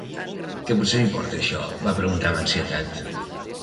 "Que potser importa això?", va preguntar, amb ansietat.